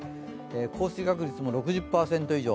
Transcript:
降水確率も６０％以上。